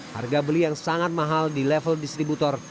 harga beli yang sangat mahal di level distributor